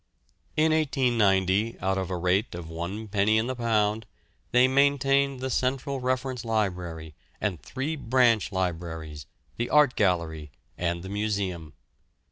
"In 1890, out of a rate of one penny in the £, they maintained the Central Reference Library and three branch libraries, the Art Gallery, and the Museum.